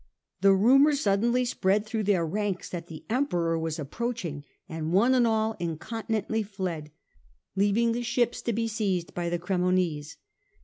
The rumour suddenly spread through their ranks that the Emperor was approaching and one and all incontinently fled, leaving the ships to be seized by the Cremonese.